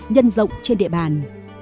nhân rộng trên địa bàn